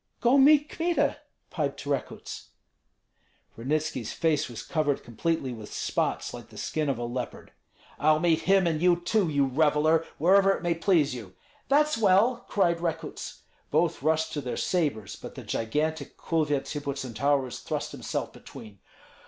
"Go meet Kmita," piped Rekuts. Ranitski's face was covered completely with spots, like the skin of a leopard. "I'll meet him and you too, you reveller, wherever it may please you!" "That's well!" cried Rekuts. Both rushed to their sabres, but the gigantic Kulvyets Hippocentaurus thrust himself between.